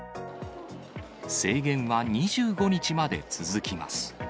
制限は２５日まで続きます。